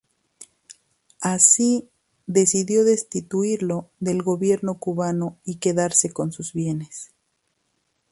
Así, decidió destituirlo del gobierno cubano y quedarse con sus bienes.